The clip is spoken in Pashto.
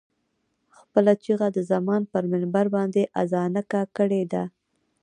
خپله چيغه د زمان پر منبر باندې اذانګه کړې ده.